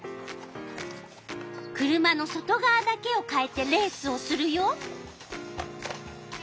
車の外がわだけをかえてレースをするよ。